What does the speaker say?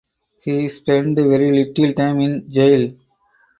He spent very little time in jail.